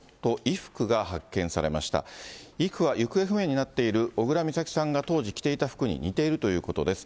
衣服は行方不明になっている小倉美咲さんが当時着ていた服に似ているということです。